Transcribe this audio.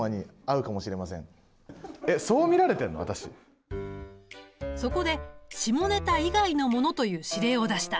えっそこで下ネタ以外のものという指令を出した。